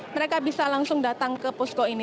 mereka bisa langsung datang ke posko ini